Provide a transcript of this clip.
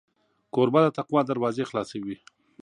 کوربه د تقوا دروازې خلاصوي.